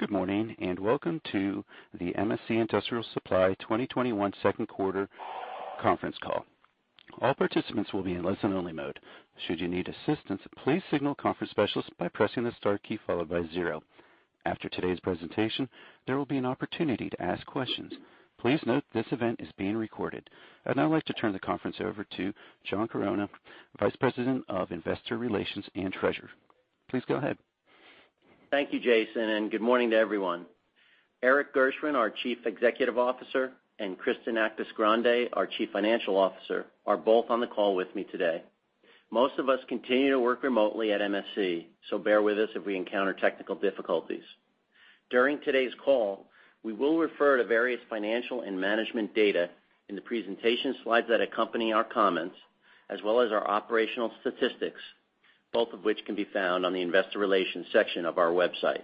Good morning, and welcome to the MSC Industrial Supply 2021 second quarter conference call. All participants will be in listen-only mode. Should you need assistance, please signal conference specialist by pressing the star key followed by zero. After today's presentation, there will be an opportunity to ask questions. Please note this event is being recorded. I'd now like to turn the conference over to John Chironna, Vice President of Investor Relations and Treasurer. Please go ahead. Thank you, Jason, and good morning to everyone. Erik Gershwind, our Chief Executive Officer, and Kristen Actis-Grande, our Chief Financial Officer, are both on the call with me today. Most of us continue to work remotely at MSC, so bear with us if we encounter technical difficulties. During today's call, we will refer to various financial and management data in the presentation slides that accompany our comments, as well as our operational statistics, both of which can be found on the investor relations section of our website.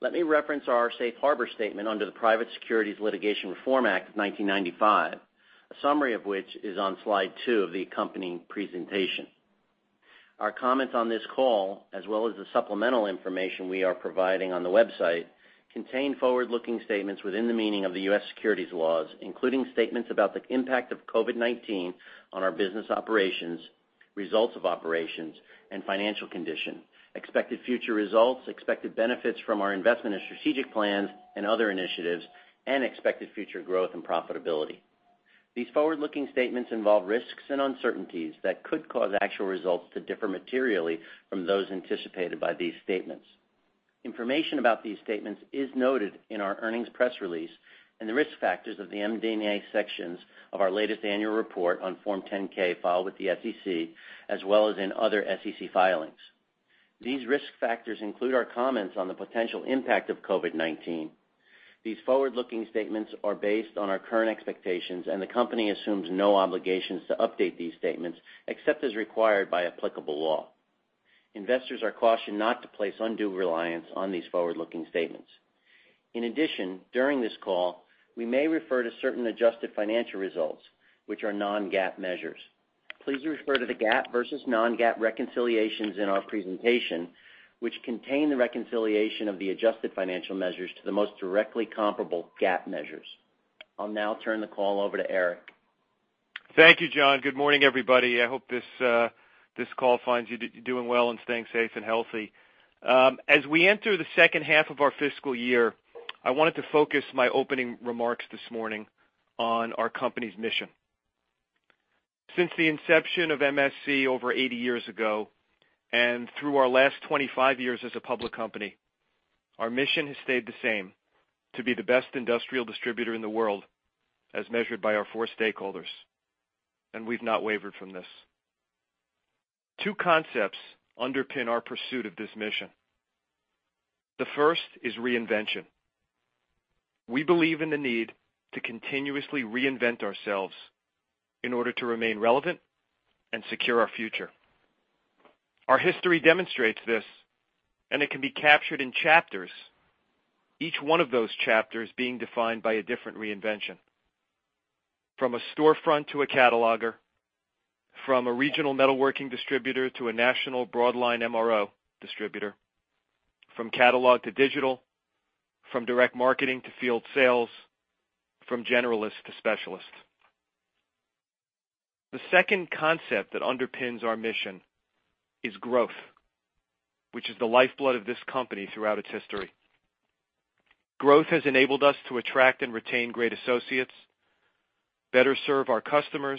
Let me reference our Safe Harbor Statement under the Private Securities Litigation Reform Act of 1995, a summary of which is on slide two of the accompanying presentation. Our comments on this call, as well as the supplemental information we are providing on the website, contain forward-looking statements within the meaning of the U.S. securities laws, including statements about the impact of COVID-19 on our business operations, results of operations, and financial condition, expected future results, expected benefits from our investment and strategic plans and other initiatives, and expected future growth and profitability. These forward-looking statements involve risks and uncertainties that could cause actual results to differ materially from those anticipated by these statements. Information about these statements is noted in our earnings press release and the risk factors of the MD&A sections of our latest annual report on Form 10-K filed with the SEC, as well as in other SEC filings. These risk factors include our comments on the potential impact of COVID-19. These forward-looking statements are based on our current expectations, and the company assumes no obligations to update these statements except as required by applicable law. Investors are cautioned not to place undue reliance on these forward-looking statements. In addition, during this call, we may refer to certain adjusted financial results, which are non-GAAP measures. Please refer to the GAAP versus non-GAAP reconciliations in our presentation, which contain the reconciliation of the adjusted financial measures to the most directly comparable GAAP measures. I'll now turn the call over to Erik. Thank you, John. Good morning, everybody. I hope this call finds you doing well and staying safe and healthy. As we enter the second half of our fiscal year, I wanted to focus my opening remarks this morning on our company's mission. Since the inception of MSC over 80 years ago, and through our last 25 years as a public company, our mission has stayed the same: to be the best industrial distributor in the world as measured by our four stakeholders, and we've not wavered from this. Two concepts underpin our pursuit of this mission. The first is reinvention. We believe in the need to continuously reinvent ourselves in order to remain relevant and secure our future. Our history demonstrates this, and it can be captured in chapters, each one of those chapters being defined by a different reinvention. From a storefront to a cataloger, from a regional metalworking distributor to a national broadline MRO distributor, from catalog to digital, from direct marketing to field sales, from generalist to specialist. The second concept that underpins our mission is growth, which is the lifeblood of this company throughout its history. Growth has enabled us to attract and retain great associates, better serve our customers,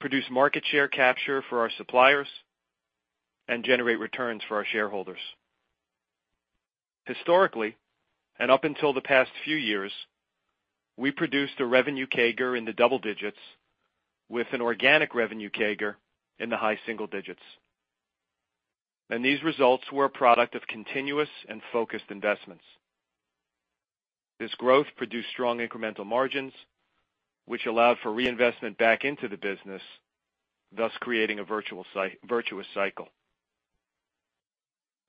produce market share capture for our suppliers, and generate returns for our shareholders. Historically, and up until the past few years, we produced a revenue CAGR in the double digits with an organic revenue CAGR in the high single digits. These results were a product of continuous and focused investments. This growth produced strong incremental margins, which allowed for reinvestment back into the business, thus creating a virtuous cycle.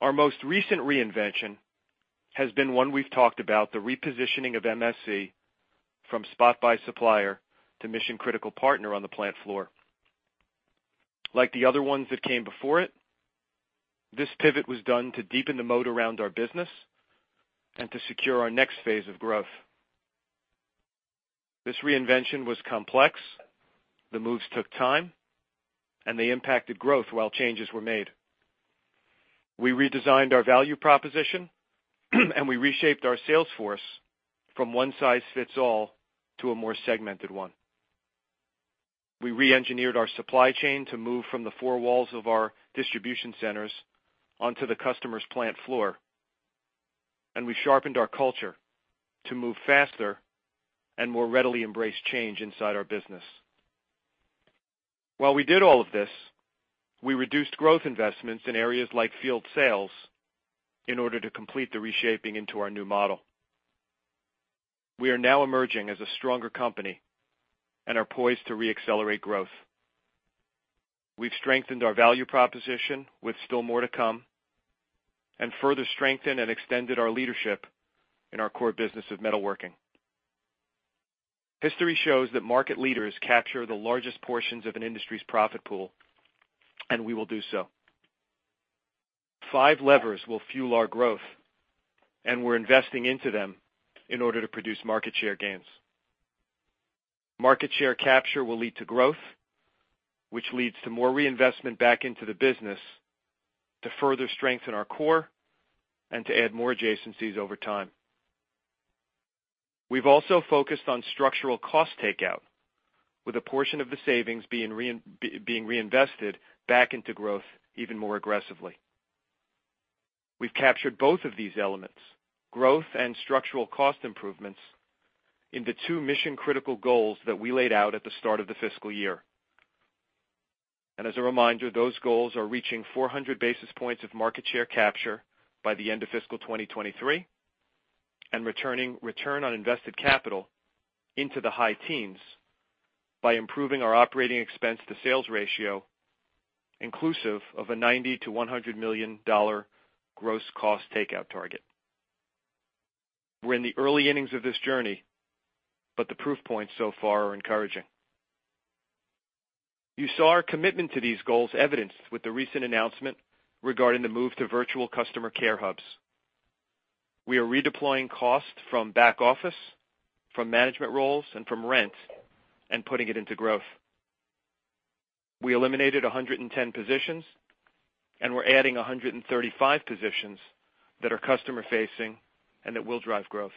Our most recent reinvention has been one we've talked about, the repositioning of MSC from spot buy supplier to Mission Critical partner on the plant floor. Like the other ones that came before it, this pivot was done to deepen the moat around our business and to secure our next phase of growth. This reinvention was complex. The moves took time, and they impacted growth while changes were made. We redesigned our value proposition, and we reshaped our sales force from one size fits all to a more segmented one. We re-engineered our supply chain to move from the four walls of our distribution centers onto the customer's plant floor, and we sharpened our culture to move faster and more readily embrace change inside our business. While we did all of this, we reduced growth investments in areas like field sales in order to complete the reshaping into our new model. We are now emerging as a stronger company and are poised to re-accelerate growth. We've strengthened our value proposition with still more to come and further strengthened and extended our leadership in our core business of metalworking. History shows that market leaders capture the largest portions of an industry's profit pool, and we will do so. Five levers will fuel our growth, and we're investing into them in order to produce market share gains. Market share capture will lead to growth, which leads to more reinvestment back into the business to further strengthen our core and to add more adjacencies over time. We've also focused on structural cost takeout, with a portion of the savings being reinvested back into growth even more aggressively. We've captured both of these elements, growth and structural cost improvements, in the two mission-critical goals that we laid out at the start of the fiscal year. As a reminder, those goals are reaching 400 basis points of market share capture by the end of fiscal 2023, and return on invested capital into the high teens by improving our operating expense to sales ratio, inclusive of a $90 million-$100 million gross cost takeout target. We're in the early innings of this journey, but the proof points so far are encouraging. You saw our commitment to these goals evidenced with the recent announcement regarding the move to virtual customer care hubs. We are redeploying cost from back office, from management roles, and from rent and putting it into growth. We eliminated 110 positions, and we're adding 135 positions that are customer-facing and that will drive growth.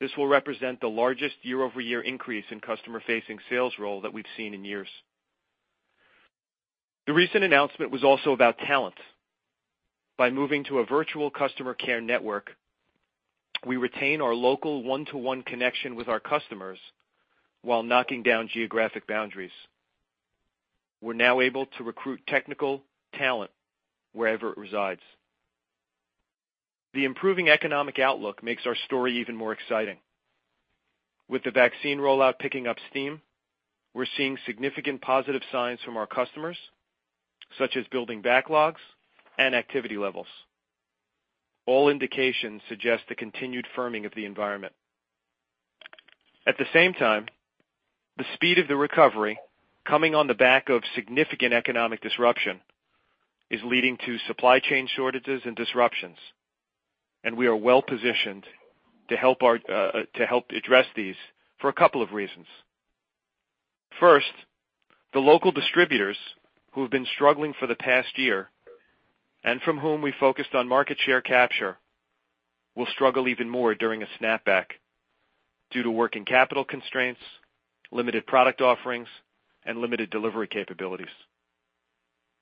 This will represent the largest year-over-year increase in customer-facing sales role that we've seen in years. The recent announcement was also about talent. By moving to a virtual customer care network, we retain our local one-to-one connection with our customers while knocking down geographic boundaries. We're now able to recruit technical talent wherever it resides. The improving economic outlook makes our story even more exciting. With the vaccine rollout picking up steam, we're seeing significant positive signs from our customers, such as building backlogs and activity levels. All indications suggest the continued firming of the environment. At the same time, the speed of the recovery, coming on the back of significant economic disruption, is leading to supply chain shortages and disruptions, and we are well-positioned to help address these for a couple of reasons. First, the local distributors who have been struggling for the past year, and from whom we focused on market share capture, will struggle even more during a snapback due to working capital constraints, limited product offerings, and limited delivery capabilities.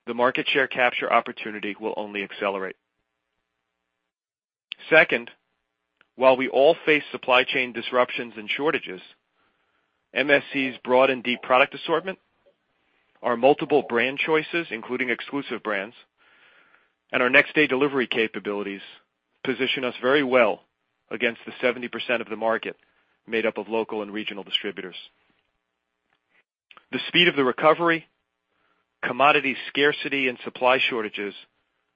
The market share capture opportunity will only accelerate. Second, while we all face supply chain disruptions and shortages, MSC's broad and deep product assortment, our multiple brand choices, including exclusive brands, and our next-day delivery capabilities position us very well against the 70% of the market made up of local and regional distributors. The speed of the recovery, commodity scarcity, and supply shortages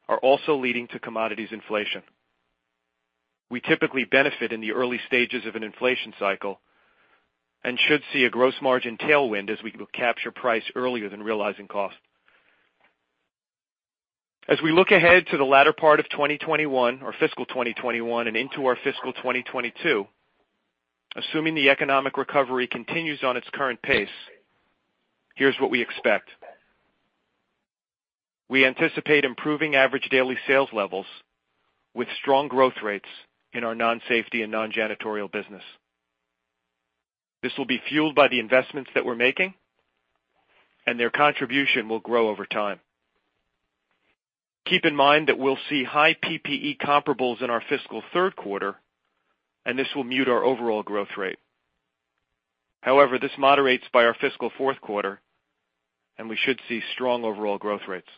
are also leading to commodities inflation. We typically benefit in the early stages of an inflation cycle and should see a gross margin tailwind as we capture price earlier than realizing cost. As we look ahead to the latter part of 2021, our fiscal 2021, and into our fiscal 2022, assuming the economic recovery continues on its current pace, here's what we expect. We anticipate improving average daily sales levels with strong growth rates in our non-safety and non-janitorial business. This will be fueled by the investments that we're making, and their contribution will grow over time. Keep in mind that we'll see high PPE comparables in our fiscal third quarter, and this will mute our overall growth rate. However, this moderates by our fiscal fourth quarter, and we should see strong overall growth rates.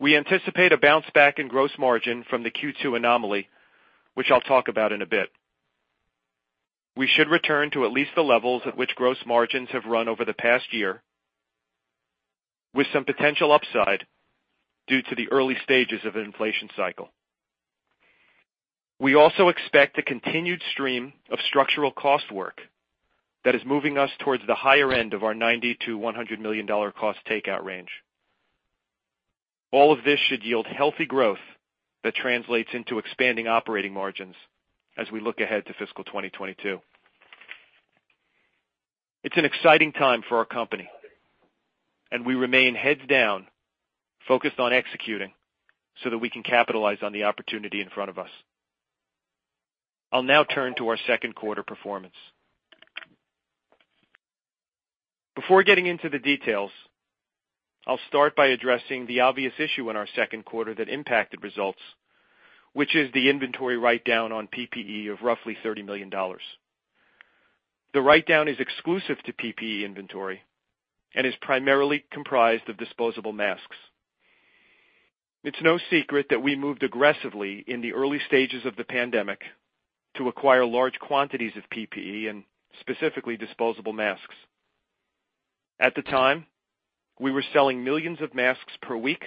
We anticipate a bounce back in gross margin from the Q2 anomaly, which I'll talk about in a bit. We should return to at least the levels at which gross margins have run over the past year, with some potential upside due to the early stages of an inflation cycle. We also expect a continued stream of structural cost work that is moving us towards the higher end of our $90 million-$100 million cost takeout range. All of this should yield healthy growth that translates into expanding operating margins as we look ahead to fiscal 2022. It's an exciting time for our company, and we remain heads down, focused on executing so that we can capitalize on the opportunity in front of us. I'll now turn to our second quarter performance. Before getting into the details, I'll start by addressing the obvious issue in our second quarter that impacted results, which is the inventory write-down on PPE of roughly $30 million. The write-down is exclusive to PPE inventory and is primarily comprised of disposable masks. It's no secret that we moved aggressively in the early stages of the pandemic to acquire large quantities of PPE and specifically disposable masks. At the time, we were selling millions of masks per week,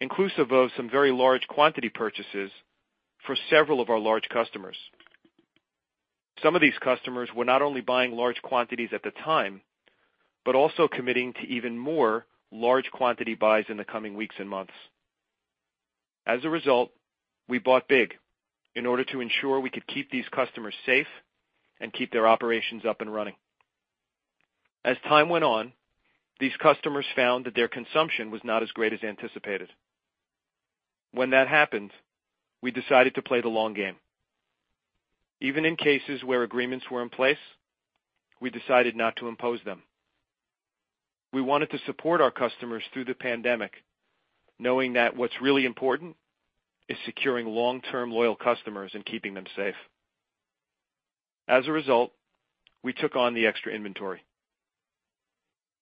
inclusive of some very large quantity purchases for several of our large customers. Some of these customers were not only buying large quantities at the time, but also committing to even more large quantity buys in the coming weeks and months. As a result, we bought big in order to ensure we could keep these customers safe and keep their operations up and running. As time went on, these customers found that their consumption was not as great as anticipated. When that happened, we decided to play the long game. Even in cases where agreements were in place, we decided not to impose them. We wanted to support our customers through the pandemic, knowing that what's really important is securing long-term loyal customers and keeping them safe. As a result, we took on the extra inventory.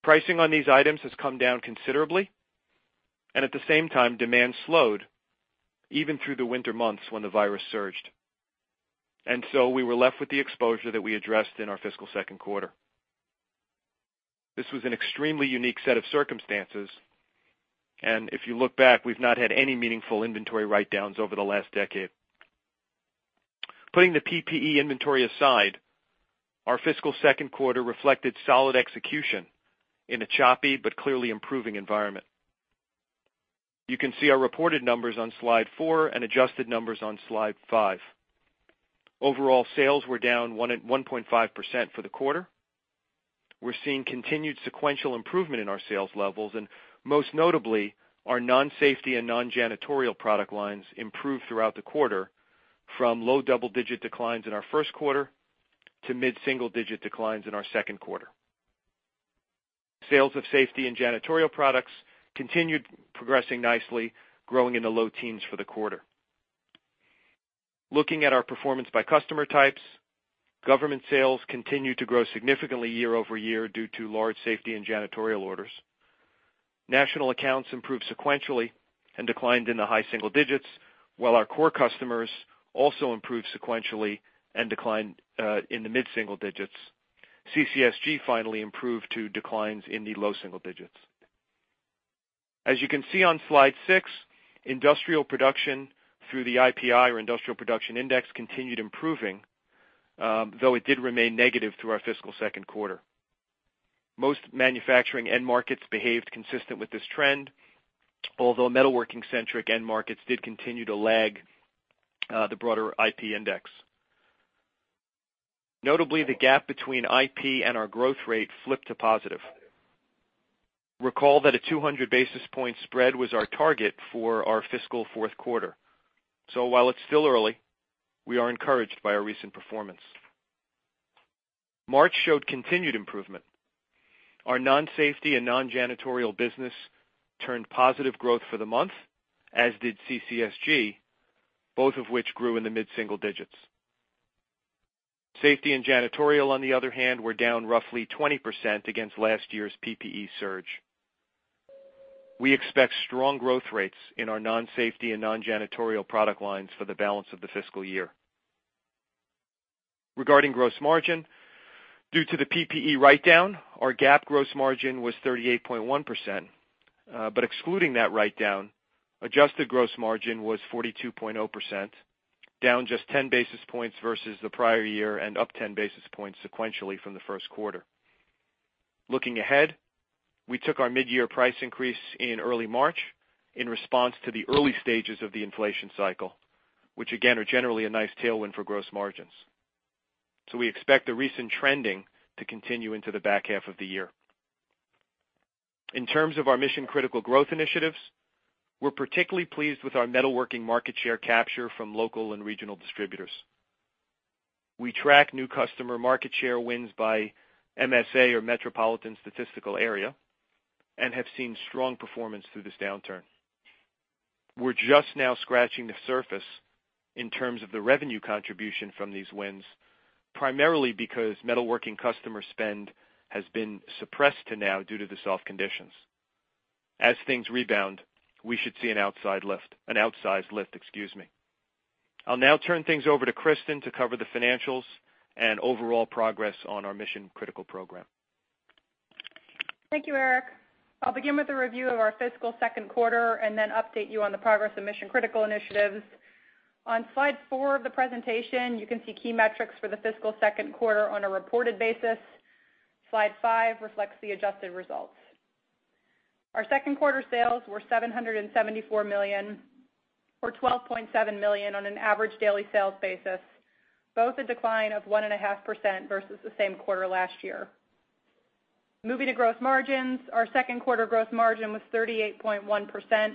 Pricing on these items has come down considerably, at the same time, demand slowed even through the winter months when the virus surged. So we were left with the exposure that we addressed in our fiscal second quarter. This was an extremely unique set of circumstances, and if you look back, we've not had any meaningful inventory write-downs over the last decade. Putting the PPE inventory aside, our fiscal second quarter reflected solid execution in a choppy but clearly improving environment. You can see our reported numbers on slide four and adjusted numbers on slide five. Overall sales were down 1.5% for the quarter. We're seeing continued sequential improvement in our sales levels, and most notably, our non-safety and non-janitorial product lines improved throughout the quarter from low double-digit declines in our first quarter to mid-single digit declines in our second quarter. Sales of safety and janitorial products continued progressing nicely, growing in the low teens for the quarter. Looking at our performance by customer types, government sales continued to grow significantly year-over-year due to large safety and janitorial orders. National accounts improved sequentially and declined in the high single digits, while our core customers also improved sequentially and declined in the mid-single digits. CCSG finally improved to declines in the low single digits. As you can see on slide six, industrial production through the IPI or Industrial Production Index continued improving, though it did remain negative through our fiscal second quarter. Most manufacturing end markets behaved consistent with this trend, although metalworking centric end markets did continue to lag the broader IP Index. Notably, the gap between IP and our growth rate flipped to positive. Recall that a 200 basis points spread was our target for our fiscal fourth quarter. While it's still early, we are encouraged by our recent performance. March showed continued improvement. Our non-safety and non-janitorial business turned positive growth for the month, as did CCSG, both of which grew in the mid-single digits. Safety and janitorial, on the other hand, were down roughly 20% against last year's PPE surge. We expect strong growth rates in our non-safety and non-janitorial product lines for the balance of the fiscal year. Regarding gross margin, due to the PPE write-down, our GAAP gross margin was 38.1%, but excluding that write-down, adjusted gross margin was 42.0%, down just 10 basis points versus the prior year and up 10 basis points sequentially from the first quarter. Looking ahead, we took our mid-year price increase in early March in response to the early stages of the inflation cycle, which again, are generally a nice tailwind for gross margins. We expect the recent trending to continue into the back half of the year. In terms of our mission-critical growth initiatives, we're particularly pleased with our metalworking market share capture from local and regional distributors. We track new customer market share wins by MSA or metropolitan statistical area and have seen strong performance through this downturn. We're just now scratching the surface in terms of the revenue contribution from these wins, primarily because metalworking customer spend has been suppressed to now due to the soft conditions. As things rebound, we should see an outsized lift. I'll now turn things over to Kristen to cover the financials and overall progress on our mission-critical program. Thank you, Erik. I'll begin with a review of our fiscal second quarter and then update you on the progress of mission-critical initiatives. On slide four of the presentation, you can see key metrics for the fiscal second quarter on a reported basis. Slide five reflects the adjusted results. Our second quarter sales were $774 million or $12.7 million on an average daily sales basis, both a decline of 1.5% versus the same quarter last year. Moving to gross margins, our second quarter gross margin was 38.1%,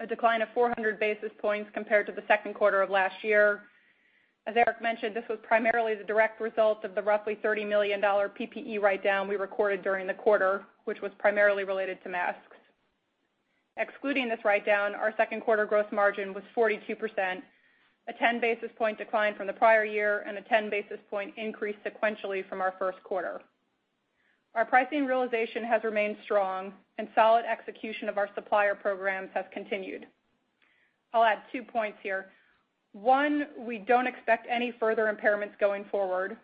a decline of 400 basis points compared to the second quarter of last year. As Erik mentioned, this was primarily the direct result of the roughly $30 million PPE write-down we recorded during the quarter, which was primarily related to masks. Excluding this write-down, our second quarter gross margin was 42%, a 10 basis point decline from the prior year and a 10 basis point increase sequentially from our first quarter. Our pricing realization has remained strong and solid execution of our supplier programs has continued. I'll add two points here. One, we don't expect any further impairments going forward.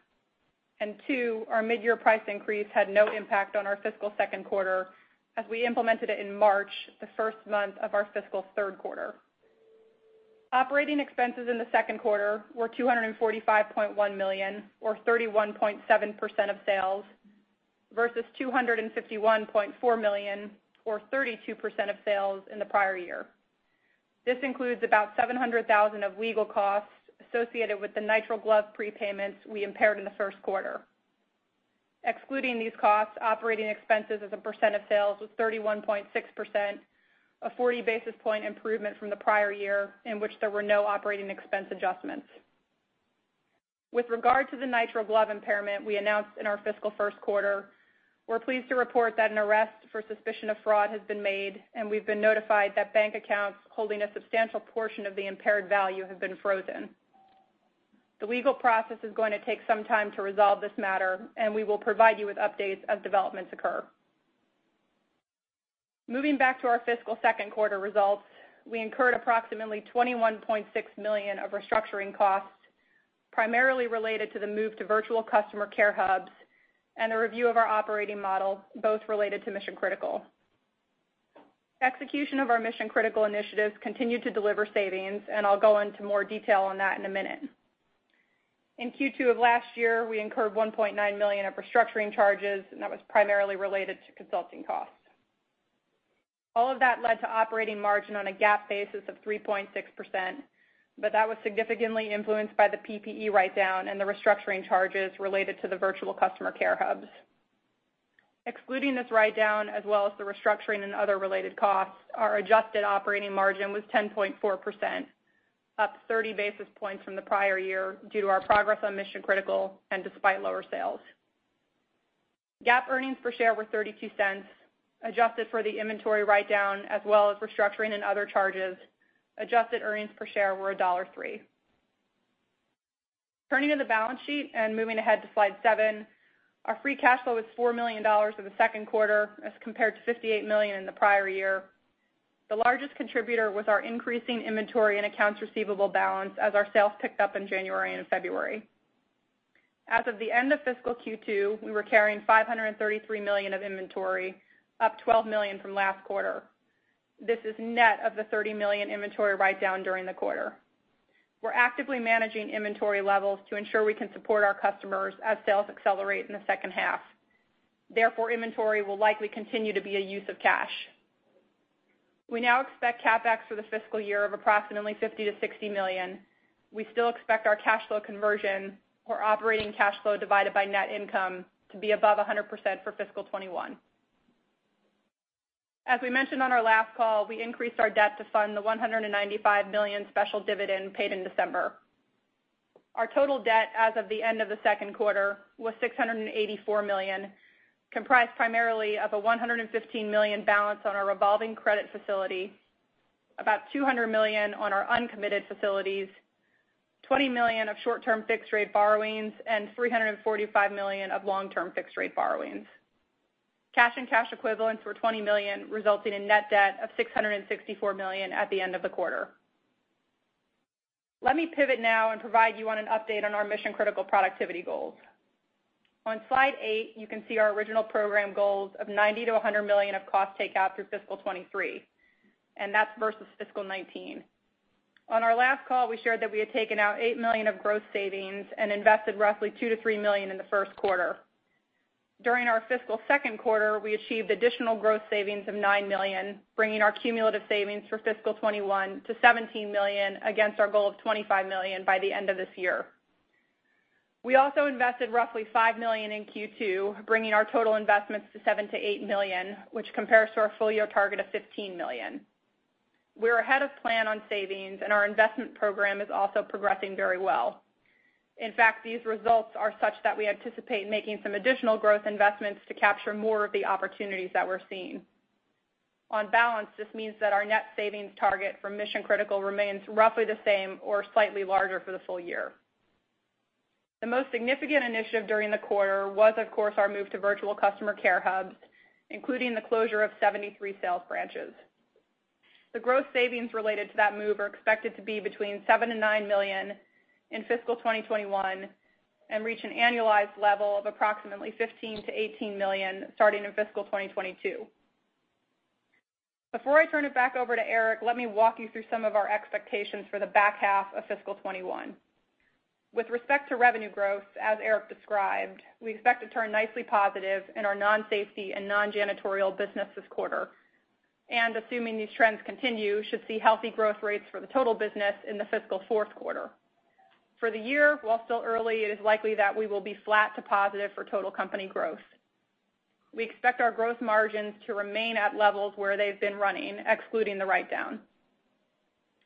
Two, our mid-year price increase had no impact on our fiscal second quarter, as we implemented it in March, the first month of our fiscal third quarter. Operating expenses in the second quarter were $245.1 million, or 31.7% of sales, versus $251.4 million, or 32% of sales, in the prior year. This includes about $700,000 of legal costs associated with the nitrile glove prepayments we impaired in the first quarter. Excluding these costs, operating expenses as a percent of sales was 31.6%, a 40 basis point improvement from the prior year, in which there were no operating expense adjustments. With regard to the nitrile glove impairment we announced in our fiscal first quarter, we're pleased to report that an arrest for suspicion of fraud has been made. We've been notified that bank accounts holding a substantial portion of the impaired value have been frozen. The legal process is going to take some time to resolve this matter. We will provide you with updates as developments occur. Moving back to our fiscal second quarter results, we incurred approximately $21.6 million of restructuring costs, primarily related to the move to virtual customer care hubs and a review of our operating model, both related to Mission Critical. Execution of our Mission Critical initiatives continued to deliver savings, and I'll go into more detail on that in a minute. In Q2 of last year, we incurred $1.9 million of restructuring charges, and that was primarily related to consulting costs. All of that led to operating margin on a GAAP basis of 3.6%, but that was significantly influenced by the PPE write-down and the restructuring charges related to the virtual customer care hubs. Excluding this write-down as well as the restructuring and other related costs, our adjusted operating margin was 10.4%, up 30 basis points from the prior year due to our progress on Mission Critical and despite lower sales. GAAP earnings per share were $0.32, adjusted for the inventory write-down as well as restructuring and other charges. Adjusted earnings per share were $1.03. Turning to the balance sheet and moving ahead to slide seven, our free cash flow was $4 million for the second quarter as compared to $58 million in the prior year. The largest contributor was our increasing inventory and accounts receivable balance as our sales picked up in January and February. As of the end of fiscal Q2, we were carrying $533 million of inventory, up $12 million from last quarter. This is net of the $30 million inventory write-down during the quarter. We're actively managing inventory levels to ensure we can support our customers as sales accelerate in the second half. Therefore, inventory will likely continue to be a use of cash. We now expect CapEx for the fiscal year of approximately $50 million-$60 million. We still expect our cash flow conversion or operating cash flow divided by net income to be above 100% for fiscal 2021. As we mentioned on our last call, we increased our debt to fund the $195 million special dividend paid in December. Our total debt as of the end of the second quarter was $684 million, comprised primarily of a $115 million balance on our revolving credit facility, about $200 million on our uncommitted facilities, $20 million of short-term fixed rate borrowings, and $345 million of long-term fixed rate borrowings. Cash and cash equivalents were $20 million, resulting in net debt of $664 million at the end of the quarter. Let me pivot now and provide you on an update on our mission critical productivity goals. On slide eight, you can see our original program goals of $90 million-$100 million of cost takeout through fiscal 2023, that's versus fiscal 2019. On our last call, we shared that we had taken out $8 million of gross savings and invested roughly $2 million-$3 million in the first quarter. During our fiscal second quarter, we achieved additional gross savings of $9 million, bringing our cumulative savings for fiscal 2021 to $17 million against our goal of $25 million by the end of this year. We also invested roughly $5 million in Q2, bringing our total investments to $7 million-$8 million, which compares to our full year target of $15 million. We're ahead of plan on savings, and our investment program is also progressing very well. In fact, these results are such that we anticipate making some additional growth investments to capture more of the opportunities that we're seeing. On balance, this means that our net savings target for Mission Critical remains roughly the same or slightly larger for the full year. The most significant initiative during the quarter was, of course, our move to virtual customer care hubs, including the closure of 73 sales branches. The gross savings related to that move are expected to be between $7 million and $9 million in fiscal 2021, and reach an annualized level of approximately $15 million-$18 million starting in fiscal 2022. Before I turn it back over to Erik, let me walk you through some of our expectations for the back half of fiscal 2021. With respect to revenue growth, as Erik described, we expect to turn nicely positive in our non-safety and non-janitorial business this quarter, and assuming these trends continue, should see healthy growth rates for the total business in the fiscal fourth quarter. For the year, while still early, it is likely that we will be flat to positive for total company growth. We expect our gross margins to remain at levels where they've been running, excluding the write-down.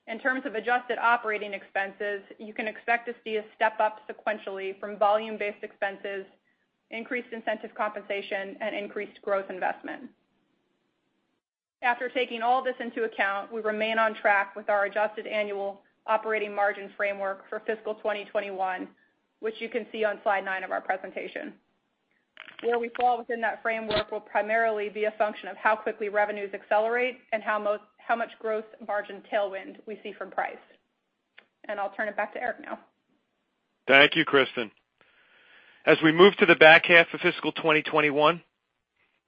In terms of adjusted operating expenses, you can expect to see a step-up sequentially from volume-based expenses, increased incentive compensation, and increased growth investment. After taking all this into account, we remain on track with our adjusted annual operating margin framework for fiscal 2021, which you can see on slide nine of our presentation. Where we fall within that framework will primarily be a function of how quickly revenues accelerate and how much gross margin tailwind we see from price. I'll turn it back to Erik now. Thank you, Kristen. As we move to the back half of fiscal 2021,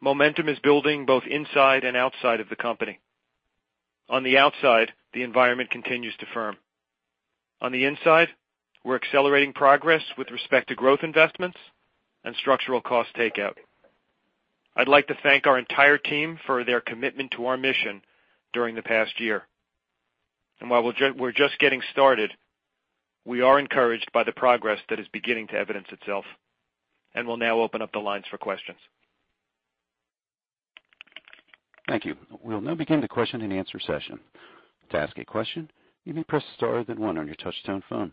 momentum is building both inside and outside of the company. On the outside, the environment continues to firm. On the inside, we're accelerating progress with respect to growth investments and structural cost takeout. I'd like to thank our entire team for their commitment to our mission during the past year. While we're just getting started, we are encouraged by the progress that is beginning to evidence itself, and we'll now open up the lines for questions. Thank you. We'll now begin the question-and-answer session. To ask a question you may press star then one on your touchtone phone.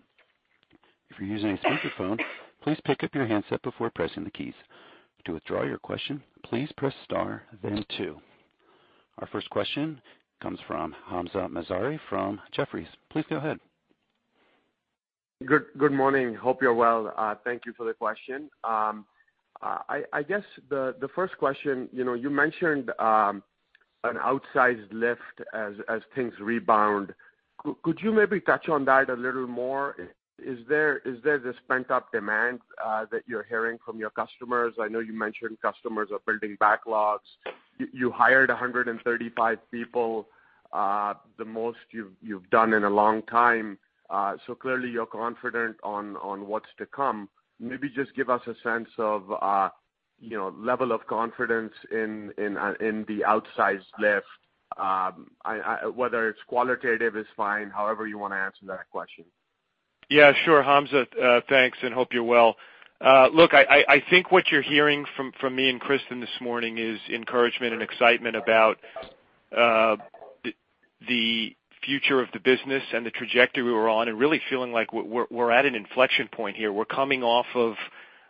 If you're using a speaker phone, please pick up your handset before pressing the keys. To withdraw your question, please press star then two. Our first question comes from Hamzah Mazari from Jefferies. Please go ahead. Good morning. Hope you're well. Thank you for the question. I guess the first question, you mentioned an outsized lift as things rebound. Could you maybe touch on that a little more? Is there this pent-up demand that you're hearing from your customers? I know you mentioned customers are building backlogs. You hired 135 people, the most you've done in a long time. Clearly you're confident on what's to come. Maybe just give us a sense of level of confidence in the outsized lift. Whether it's qualitative is fine, however you want to answer that question. Yeah, sure, Hamzah. Thanks, and hope you're well. Look, I think what you're hearing from me and Kristen this morning is encouragement and excitement about the future of the business and the trajectory we're on and really feeling like we're at an inflection point here. We're coming off of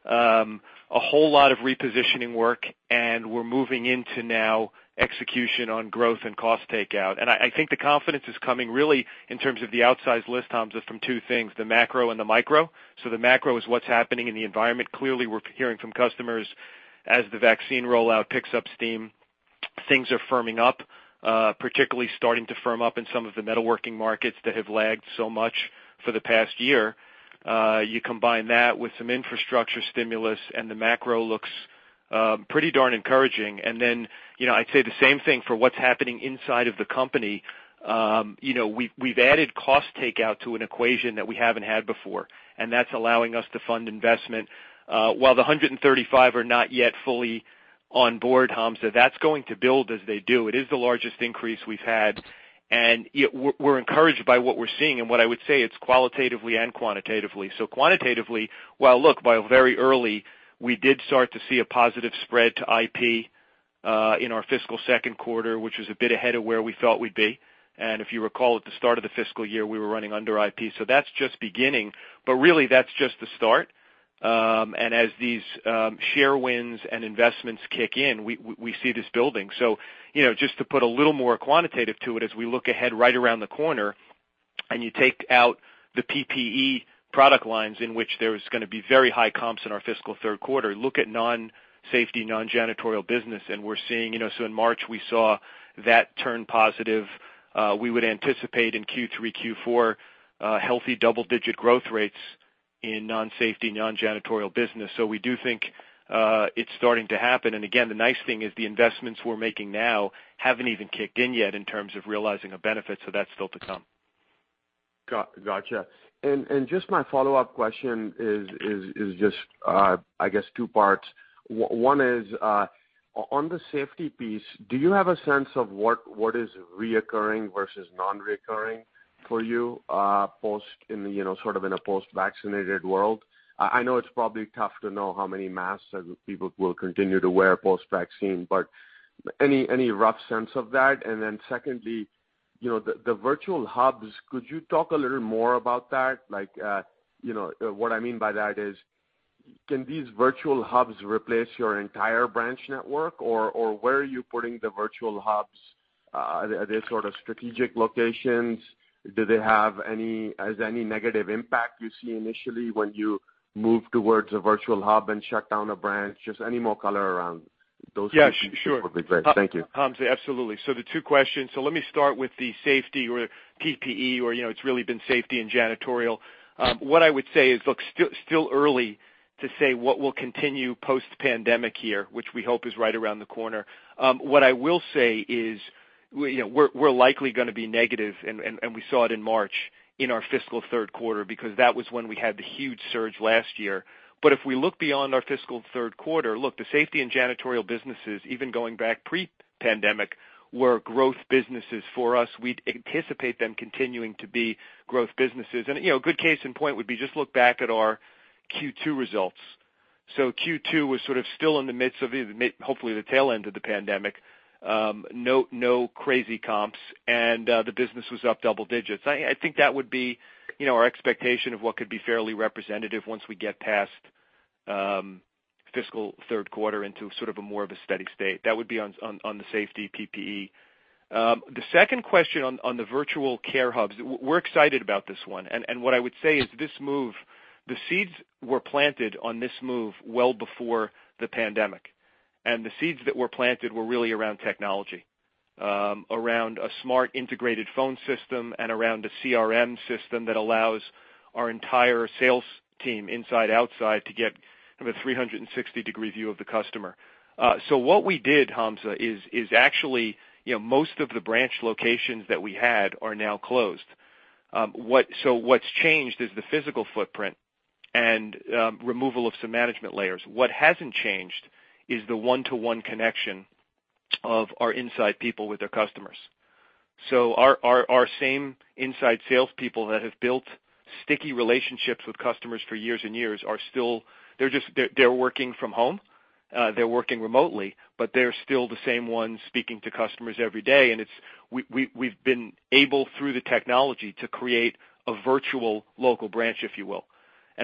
a whole lot of repositioning work, and we're moving into now execution on growth and cost takeout. I think the confidence is coming really in terms of the outsized lift, Hamzah, from two things, the macro and the micro. The macro is what's happening in the environment. Clearly, we're hearing from customers as the vaccine rollout picks up steam, things are firming up. Particularly starting to firm up in some of the metalworking markets that have lagged so much for the past year. You combine that with some infrastructure stimulus, and the macro looks pretty darn encouraging. I'd say the same thing for what's happening inside of the company. We've added cost takeout to an equation that we haven't had before, and that's allowing us to fund investment. While the 135 are not yet fully on board, Hamzah, that's going to build as they do. It is the largest increase we've had, and we're encouraged by what we're seeing. What I would say, it's qualitatively and quantitatively. Quantitatively, while look, while very early, we did start to see a positive spread to IP in our fiscal second quarter, which was a bit ahead of where we thought we'd be. If you recall, at the start of the fiscal year, we were running under IP. That's just beginning, but really, that's just the start. As these share wins and investments kick in, we see this building. Just to put a little more quantitative to it as we look ahead right around the corner and you take out the PPE product lines in which there's going to be very high comps in our fiscal third quarter, look at non-safety, non-janitorial business. In March, we saw that turn positive. We would anticipate in Q3, Q4 healthy double-digit growth rates in non-safety, non-janitorial business. We do think it's starting to happen. Again, the nice thing is the investments we're making now haven't even kicked in yet in terms of realizing a benefit, so that's still to come. Got you. Just my follow-up question is just I guess two parts. One is on the safety piece, do you have a sense of what is recurring versus non-recurring for you in a post-vaccinated world? I know it's probably tough to know how many masks people will continue to wear post-vaccine, but any rough sense of that? Secondly, the virtual hubs, could you talk a little more about that? What I mean by that is, can these virtual hubs replace your entire branch network? Where are you putting the virtual hubs? Are they sort of strategic locations? Has any negative impact you see initially when you move towards a virtual hub and shut down a branch? Just any more color around those would be great. Thank you. Hamzah, absolutely. The two questions. Let me start with the safety or PPE, or it's really been safety and janitorial. What I would say is, look, still early to say what will continue post-pandemic here, which we hope is right around the corner. What I will say is we're likely going to be negative, and we saw it in March in our fiscal third quarter because that was when we had the huge surge last year. If we look beyond our fiscal third quarter, look, the safety and janitorial businesses, even going back pre-pandemic, were growth businesses for us. We'd anticipate them continuing to be growth businesses. A good case in point would be just look back at our Q2 results. Q2 was sort of still in the midst of hopefully the tail end of the pandemic. No crazy comps, and the business was up double digits. I think that would be our expectation of what could be fairly representative once we get past fiscal third quarter into sort of a more of a steady state. That would be on the safety PPE. The second question on the virtual care hubs, we're excited about this one. What I would say is the seeds were planted on this move well before the pandemic. The seeds that were planted were really around technology, around a smart integrated phone system, and around a CRM system that allows our entire sales team inside, outside, to get a 360-degree view of the customer. What we did, Hamzah, is actually most of the branch locations that we had are now closed. What's changed is the physical footprint and removal of some management layers. What hasn't changed is the one-to-one connection of our inside people with their customers. Our same inside salespeople that have built sticky relationships with customers for years and years, they're working from home, they're working remotely, but they're still the same ones speaking to customers every day. We've been able, through the technology, to create a virtual local branch, if you will.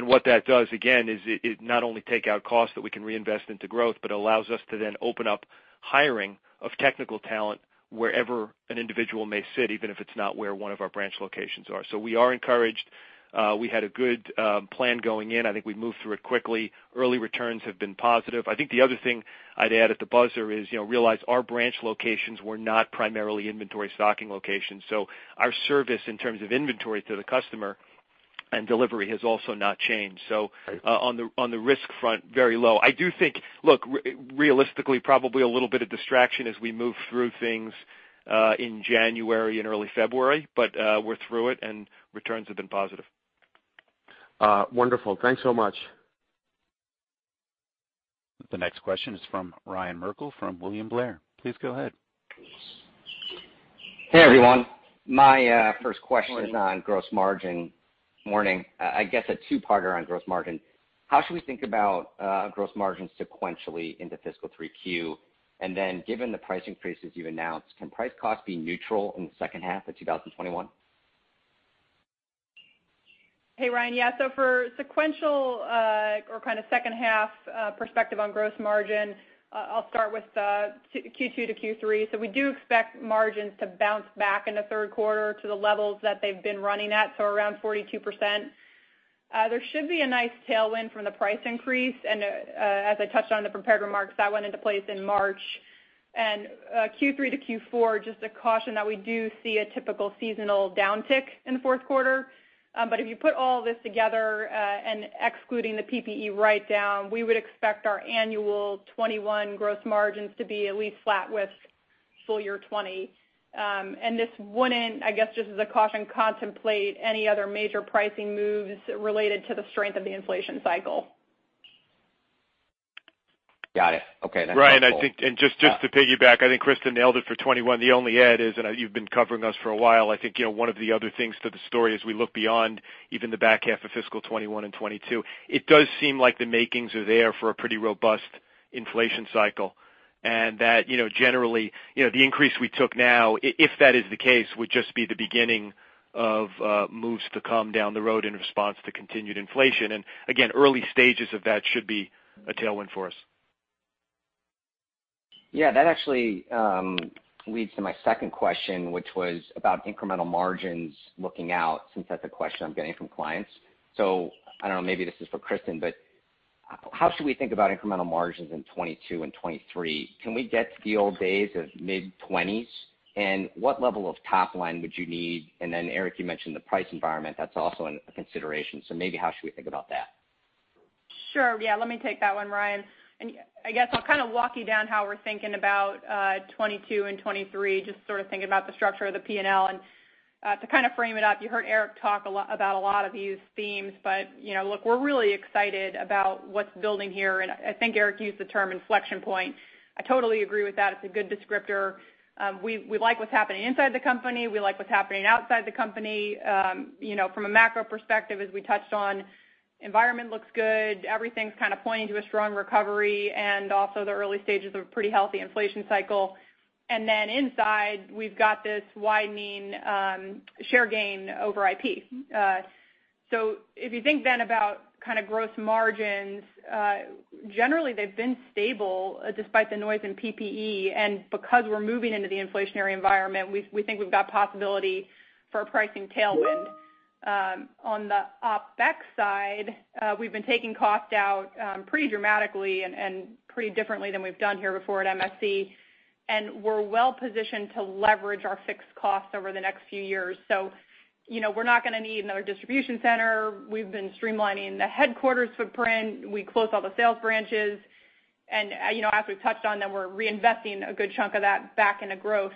What that does, again, is it not only take out costs that we can reinvest into growth, but allows us to then open up hiring of technical talent wherever an individual may sit, even if it's not where one of our branch locations are. We are encouraged. We had a good plan going in. I think we moved through it quickly. Early returns have been positive. I think the other thing I'd add at the buzzer is realize our branch locations were not primarily inventory stocking locations. Our service in terms of inventory to the customer and delivery has also not changed. Right. On the risk front, very low. I do think, realistically, probably a little bit of distraction as we move through things in January and early February, but we're through it and returns have been positive. Wonderful. Thanks so much. The next question is from Ryan Merkel from William Blair. Please go ahead. Hey, everyone. My first question- Morning. Is on gross margin. Morning. I guess a two-parter on gross margin. How should we think about gross margins sequentially into fiscal 3Q? Then given the price increases you've announced, can price costs be neutral in the second half of 2021? Hey, Ryan. Yeah, for sequential or kind of second half perspective on gross margin, I'll start with Q2 to Q3. We do expect margins to bounce back in the third quarter to the levels that they've been running at, around 42%. There should be a nice tailwind from the price increase, as I touched on in the prepared remarks, that went into place in March. Q3 to Q4, just a caution that we do see a typical seasonal downtick in the fourth quarter. If you put all this together, excluding the PPE write-down, we would expect our annual 2021 gross margins to be at least flat with full year 2020. This wouldn't, I guess, just as a caution, contemplate any other major pricing moves related to the strength of the inflation cycle. Got it. Okay. That's helpful. Ryan, just to piggyback, I think Kristen nailed it for 2021. The only add is, and you've been covering us for a while, I think one of the other things to the story as we look beyond even the back half of fiscal 2021 and 2022, it does seem like the makings are there for a pretty robust inflation cycle, and that generally, the increase we took now, if that is the case, would just be the beginning of moves to come down the road in response to continued inflation. Again, early stages of that should be a tailwind for us. Yeah, that actually leads to my second question, which was about incremental margins looking out, since that's a question I'm getting from clients. I don't know, maybe this is for Kristen, but how should we think about incremental margins in 2022 and 2023? Can we get to the old days of mid-20s? What level of top line would you need? Then Erik, you mentioned the price environment. That's also a consideration. Maybe how should we think about that? Sure. Yeah. Let me take that one, Ryan. I guess I'll kind of walk you down how we're thinking about 2022 and 2023, just sort of thinking about the structure of the P&L. To kind of frame it up, you heard Erik talk about a lot of these themes, look, we're really excited about what's building here, I think Erik used the term inflection point. I totally agree with that. It's a good descriptor. We like what's happening inside the company. We like what's happening outside the company. From a macro perspective, as we touched on, environment looks good. Everything's kind of pointing to a strong recovery, also the early stages of a pretty healthy inflation cycle. Then inside, we've got this widening share gain over IP. If you think then about kind of gross margins, generally they've been stable despite the noise in PPE, and because we're moving into the inflationary environment, we think we've got possibility for a pricing tailwind. On the OpEx side, we've been taking cost out pretty dramatically and pretty differently than we've done here before at MSC, and we're well-positioned to leverage our fixed costs over the next few years. We're not going to need another distribution center. We've been streamlining the headquarters footprint. We closed all the sales branches. As we've touched on, we're reinvesting a good chunk of that back into growth.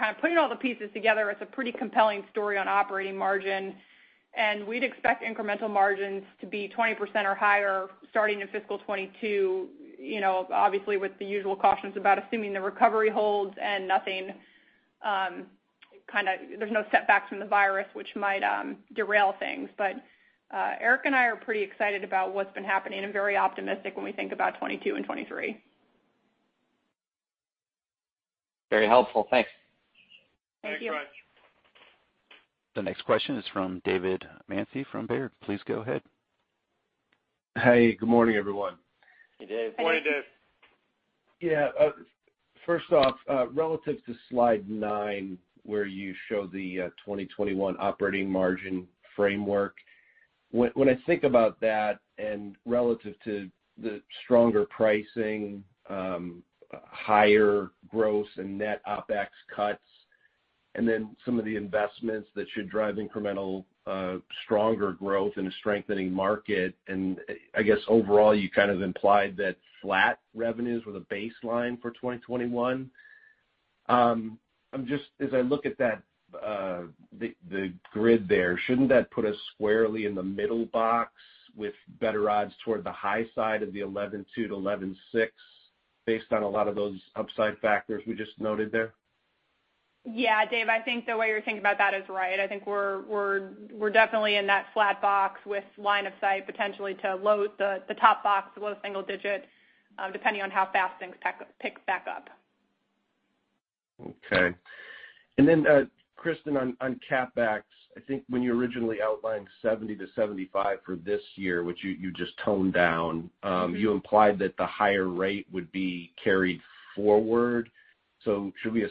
Kind of putting all the pieces together, it's a pretty compelling story on operating margin, and we'd expect incremental margins to be 20% or higher starting in fiscal 2022, obviously with the usual cautions about assuming the recovery holds and there's no setbacks from the virus which might derail things. Erik and I are pretty excited about what's been happening and very optimistic when we think about 2022 and 2023. Very helpful. Thanks. Thank you. Thanks much. The next question is from David Manthey from Baird. Please go ahead. Hey, good morning, everyone. Hey, Dave. Good morning, Dave. Yeah. First off, relative to slide nine, where you show the 2021 operating margin framework. When I think about that and relative to the stronger pricing, higher gross and net OpEx cuts, and then some of the investments that should drive incremental stronger growth in a strengthening market. I guess overall, you kind of implied that flat revenues with a baseline for 2021. As I look at the grid there, shouldn't that put us squarely in the middle box with better odds toward the high side of the 11.2%-11.6% based on a lot of those upside factors we just noted there? Yeah, Dave, I think the way you're thinking about that is right. I think we're definitely in that flat box with line of sight potentially to load the top box, low single digit, depending on how fast things pick back up. Okay. Kristen, on CapEx, I think when you originally outlined $70 million-$75 million for this year, which you just toned down, you implied that the higher rate would be carried forward. Should we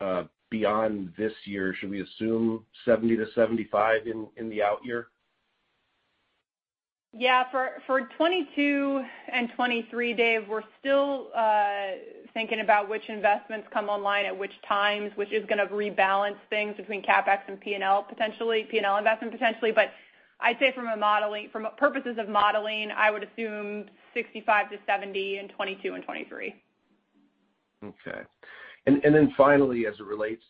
assume, beyond this year, should we assume $70 million-$75 million in the out year? Yeah, for 2022 and 2023, Dave, we're still thinking about which investments come online at which times, which is going to rebalance things between CapEx and P&L investment, potentially. I'd say from purposes of modeling, I would assume $65-$70 in 2022 and 2023. Okay. Finally, as it relates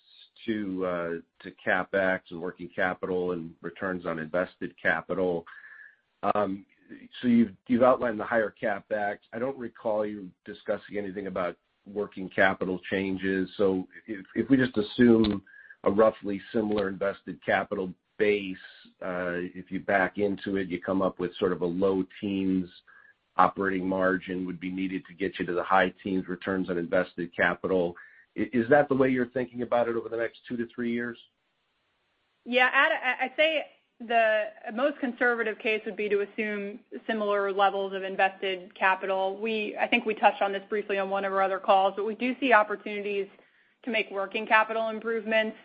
to CapEx and working capital and returns on invested capital. You've outlined the higher CapEx. I don't recall you discussing anything about working capital changes. If we just assume a roughly similar invested capital base, if you back into it, you come up with sort of a low teens operating margin would be needed to get you to the high teens returns on invested capital. Is that the way you're thinking about it over the next two to three years? Yeah. I'd say the most conservative case would be to assume similar levels of invested capital. I think we touched on this briefly on one of our other calls. We do see opportunities to make working capital improvements.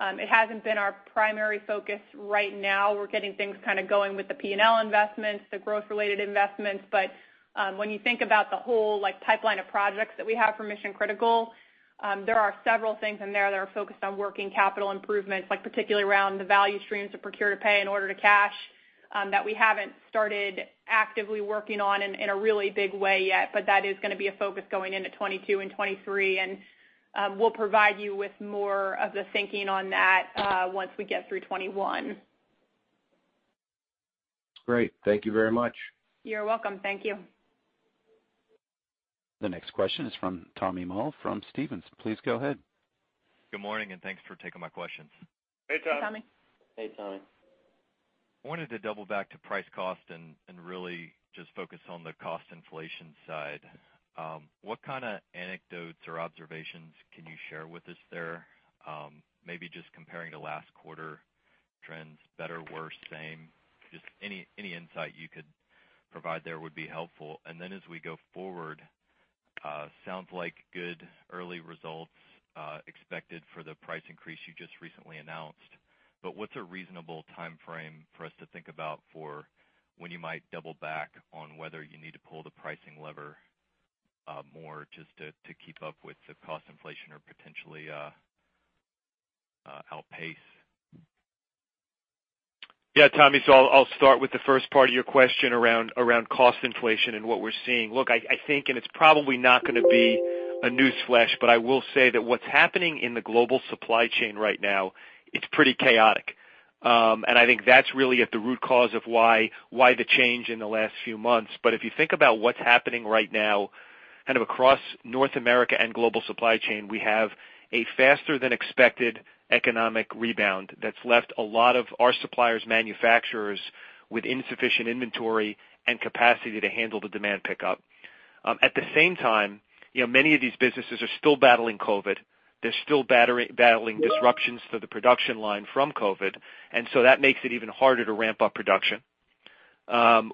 It hasn't been our primary focus right now. We're getting things kind of going with the P&L investments, the growth-related investments. When you think about the whole pipeline of projects that we have for Mission Critical, there are several things in there that are focused on working capital improvements, like particularly around the value streams to procure to pay and order to cash, that we haven't started actively working on in a really big way yet. That is going to be a focus going into 2022 and 2023. We'll provide you with more of the thinking on that once we get through 2021. Great. Thank you very much. You're welcome. Thank you. The next question is from Tommy Moll from Stephens. Please go ahead. Good morning, and thanks for taking my questions. Hey, Tommy. Hey, Tommy. I wanted to double back to price cost and really just focus on the cost inflation side. What kind of anecdotes or observations can you share with us there? Maybe just comparing to last quarter trends, better, worse, same, just any insight you could provide there would be helpful. Then as we go forward, sounds like good early results expected for the price increase you just recently announced. What's a reasonable timeframe for us to think about for when you might double back on whether you need to pull the pricing lever more just to keep up with the cost inflation or potentially outpace? Yeah, Tommy, I will start with the first part of your question around cost inflation and what we're seeing. Look, I think, it's probably not going to be a newsflash, I will say that what's happening in the global supply chain right now, it's pretty chaotic. I think that's really at the root cause of why the change in the last few months. If you think about what's happening right now kind of across North America and global supply chain, we have a faster than expected economic rebound that's left a lot of our suppliers, manufacturers with insufficient inventory and capacity to handle the demand pickup. At the same time, many of these businesses are still battling COVID. They're still battling disruptions to the production line from COVID, that makes it even harder to ramp up production.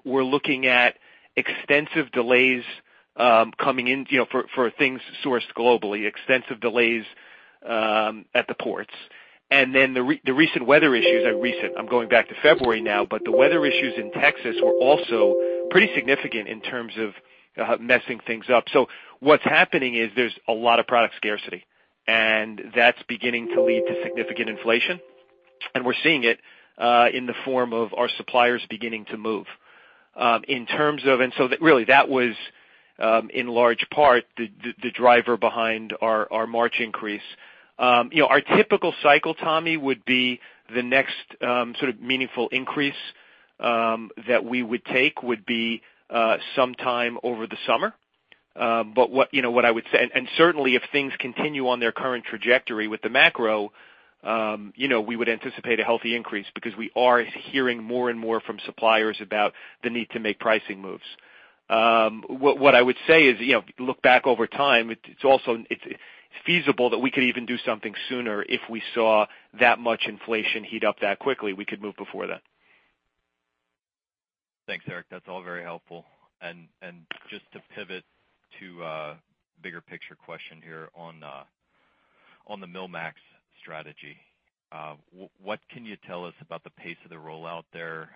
We're looking at extensive delays coming in for things sourced globally, extensive delays at the ports. The recent weather issues, I'm going back to February now, but the weather issues in Texas were also pretty significant in terms of messing things up. What's happening is there's a lot of product scarcity, and that's beginning to lead to significant inflation, and we're seeing it in the form of our suppliers beginning to move. Really that was in large part the driver behind our March increase. Our typical cycle, Tommy, would be the next sort of meaningful increase that we would take would be sometime over the summer. Certainly if things continue on their current trajectory with the macro, we would anticipate a healthy increase because we are hearing more and more from suppliers about the need to make pricing moves. What I would say is, look back over time, it's feasible that we could even do something sooner if we saw that much inflation heat up that quickly, we could move before that. Thanks, Erik. That's all very helpful. Just to pivot to a bigger picture question here on the MillMax strategy. What can you tell us about the pace of the rollout there?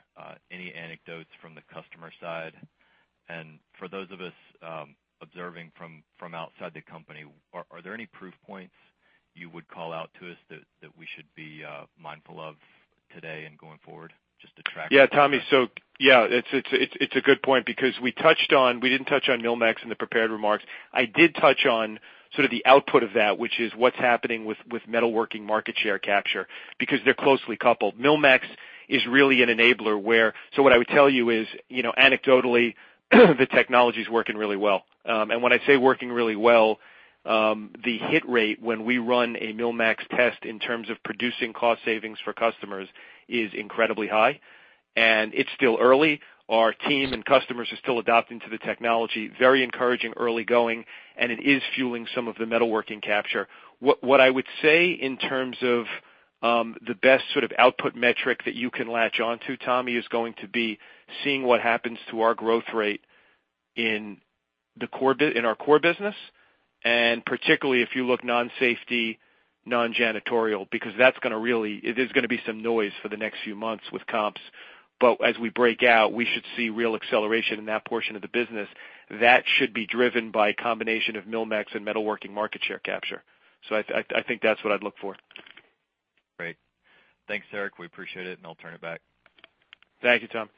Any anecdotes from the customer side? For those of us observing from outside the company, are there any proof points you would call out to us that we should be mindful of today in going forward? Yeah, Tommy. Yeah, it's a good point because we didn't touch on MillMax in the prepared remarks. I did touch on sort of the output of that, which is what's happening with metalworking market share capture, because they're closely coupled. MillMax is really an enabler. What I would tell you is, anecdotally, the technology's working really well. When I say working really well, the hit rate when we run a MillMax test in terms of producing cost savings for customers is incredibly high, and it's still early. Our team and customers are still adapting to the technology. Very encouraging early going, and it is fueling some of the metalworking capture. What I would say in terms of the best sort of output metric that you can latch on to, Tommy, is going to be seeing what happens to our growth rate in our core business, and particularly if you look non-safety, non-janitorial, because there's going to be some noise for the next few months with comps. As we break out, we should see real acceleration in that portion of the business. That should be driven by a combination of MillMax and metalworking market share capture. I think that's what I'd look for. Great. Thanks, Erik. We appreciate it, and I'll turn it back. Thank you, Tom.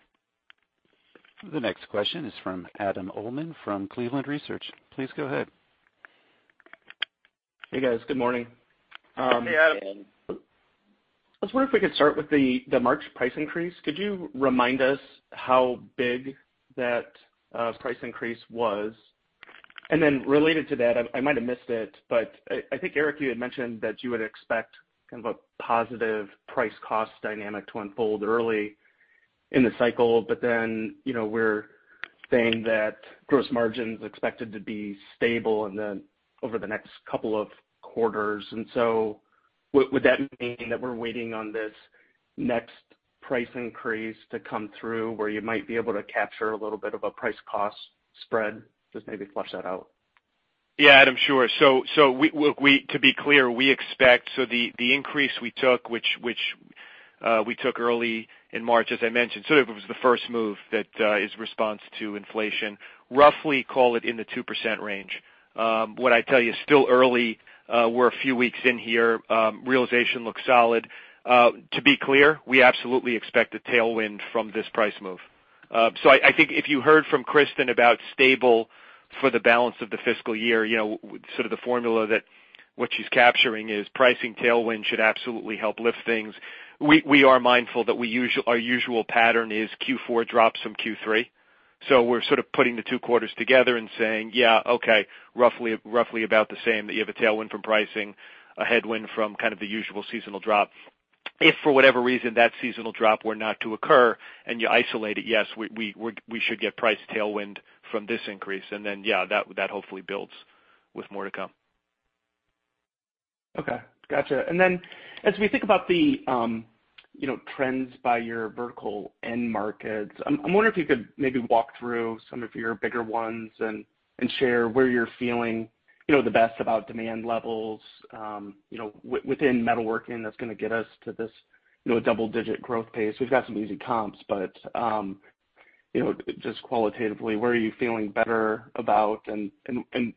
The next question is from Adam Uhlman from Cleveland Research. Please go ahead. Hey, guys. Good morning. Hey, Adam. I was wondering if we could start with the March price increase. Could you remind us how big that price increase was? Related to that, I might have missed it, but I think, Erik, you had mentioned that you would expect kind of a positive price-cost dynamic to unfold early in the cycle. We're saying that gross margin's expected to be stable over the next couple of quarters. Would that mean that we're waiting on this next price increase to come through where you might be able to capture a little bit of a price-cost spread? Just maybe flesh that out. Yeah, Adam. Sure. To be clear, we expect the increase we took, which we took early in March, as I mentioned, sort of it was the first move that is response to inflation, roughly call it in the 2% range. What I'd tell you, still early. We're a few weeks in here. Realization looks solid. To be clear, we absolutely expect a tailwind from this price move. I think if you heard from Kristen about stable for the balance of the fiscal year, sort of the formula that what she's capturing is pricing tailwind should absolutely help lift things. We are mindful that our usual pattern is Q4 drops from Q3. We're sort of putting the two quarters together and saying, yeah, okay, roughly about the same, that you have a tailwind from pricing, a headwind from kind of the usual seasonal drop. If, for whatever reason, that seasonal drop were not to occur and you isolate it, yes, we should get price tailwind from this increase. Yeah, that hopefully builds with more to come. Okay. Gotcha. Then as we think about the trends by your vertical end markets, I'm wondering if you could maybe walk through some of your bigger ones and share where you're feeling the best about demand levels within metalworking that's going to get us to this double-digit growth pace. We've got some easy comps, just qualitatively, where are you feeling better about and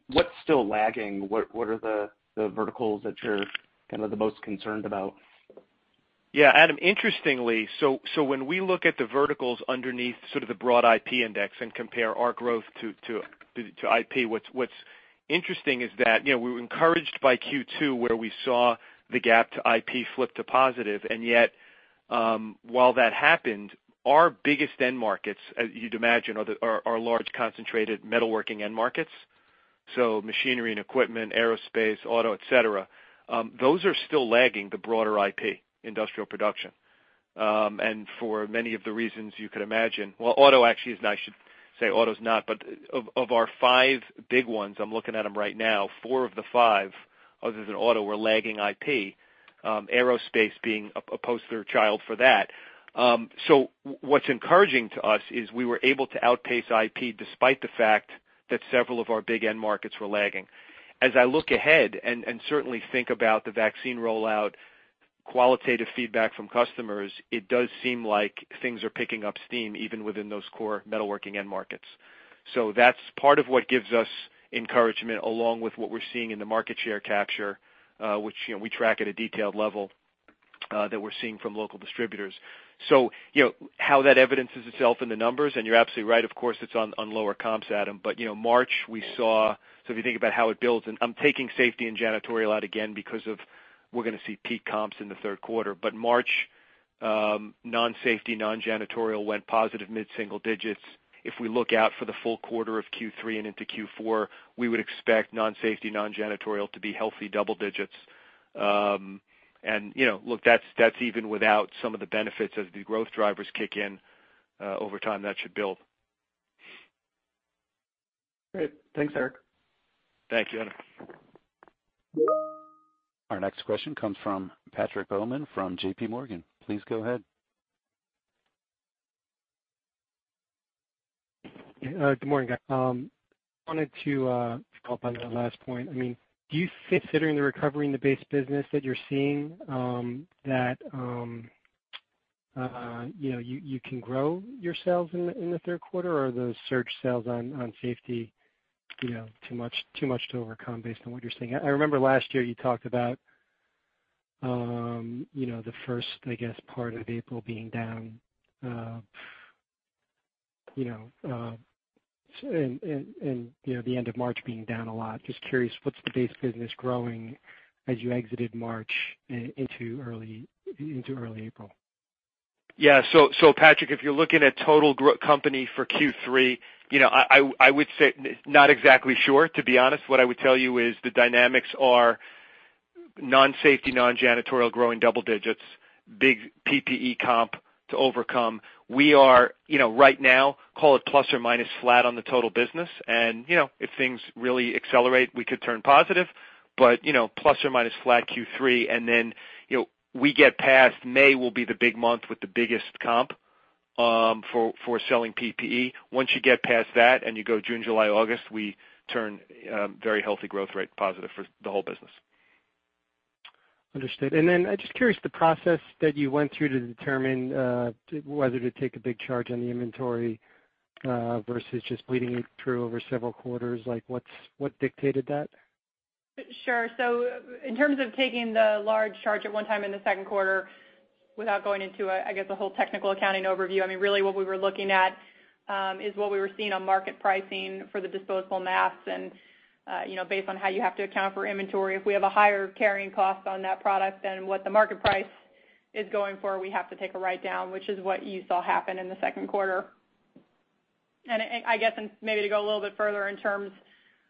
what's still lagging? What are the verticals that you're kind of the most concerned about? Yeah, Adam. Interestingly, when we look at the verticals underneath sort of the broad IP index and compare our growth to IP, what's interesting is that we were encouraged by Q2, where we saw the gap to IP flip to positive. Yet, while that happened, our biggest end markets, as you'd imagine, are large concentrated metalworking end markets. Machinery and equipment, aerospace, auto, et cetera. Those are still lagging the broader IP, industrial production. For many of the reasons you could imagine. Well, auto's not, but of our five big ones, I'm looking at them right now, four of the five, other than auto, were lagging IP. Aerospace being a poster child for that. What's encouraging to us is we were able to outpace IP despite the fact that several of our big end markets were lagging. As I look ahead, and certainly think about the vaccine rollout, qualitative feedback from customers, it does seem like things are picking up steam even within those core metalworking end markets. That's part of what gives us encouragement along with what we're seeing in the market share capture, which we track at a detailed level that we're seeing from local distributors. How that evidences itself in the numbers, and you're absolutely right, of course, it's on lower comps, Adam. March we saw, so if you think about how it builds, and I'm taking safety and janitorial out again because we're going to see peak comps in the third quarter. March, non-safety, non-janitorial went positive mid-single digits. If we look out for the full quarter of Q3 and into Q4, we would expect non-safety, non-janitorial to be healthy double digits. Look, that's even without some of the benefits as the growth drivers kick in over time, that should build. Great. Thanks, Erik. Thank you. Our next question comes from Patrick Baumann from JPMorgan. Please go ahead. Good morning, guys. I wanted to follow up on that last point. Do you think, considering the recovery in the base business that you're seeing, that you can grow your sales in the third quarter? Or are those surge sales on safety too much to overcome based on what you're seeing? I remember last year you talked about the first part of April being down, and the end of March being down a lot. Just curious, what's the base business growing as you exited March into early April? Yeah. Patrick, if you're looking at total company for Q3, I would say not exactly sure, to be honest. What I would tell you is the dynamics are non-safety, non-janitorial growing double digits. Big PPE comp to overcome. We are, right now, call it plus or minus flat on the total business. If things really accelerate, we could turn positive, but plus or minus flat Q3, and then, we get past May will be the big month with the biggest comp, for selling PPE. Once you get past that and you go June, July, August, we turn very healthy growth rate positive for the whole business. Understood. I'm just curious, the process that you went through to determine whether to take a big charge on the inventory, versus just bleeding it through over several quarters, like what dictated that? Sure. In terms of taking the large charge at one time in the second quarter, without going into a whole technical accounting overview, really what we were looking at is what we were seeing on market pricing for the disposable masks and based on how you have to account for inventory. If we have a higher carrying cost on that product than what the market price is going for, we have to take a write-down, which is what you saw happen in the second quarter. I guess maybe to go a little bit further in terms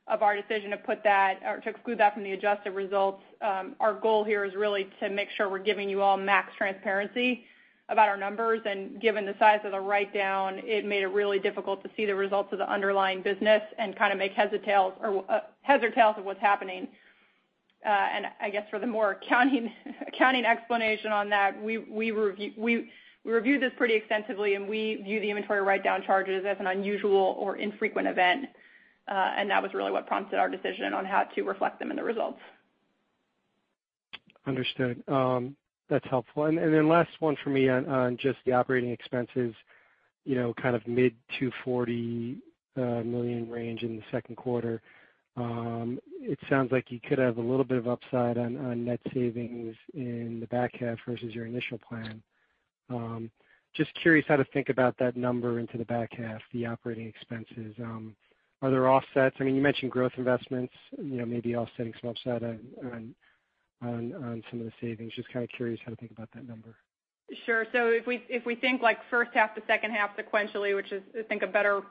of our decision to put that or to exclude that from the adjusted results, our goal here is really to make sure we're giving you all max transparency about our numbers. Given the size of the write-down, it made it really difficult to see the results of the underlying business and make heads or tails of what's happening. I guess for the more accounting explanation on that, we reviewed this pretty extensively, and we view the inventory write-down charges as an unusual or infrequent event. That was really what prompted our decision on how to reflect them in the results. Understood. That's helpful. Last one for me on just the operating expenses, kind of mid $240 million range in the second quarter. It sounds like you could have a little bit of upside on net savings in the back half versus your initial plan. Just curious how to think about that number into the back half, the operating expenses. Are there offsets? You mentioned growth investments, maybe offsetting some upside on some of the savings. Just kind of curious how to think about that number. Sure. If we think first half to second half sequentially, which is, I think, a better